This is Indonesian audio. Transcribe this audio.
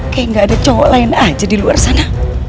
kayak gak ada cowok lain aja di luar sana